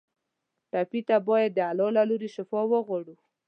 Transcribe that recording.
ټپي ته باید د الله له لورې شفا وغواړو.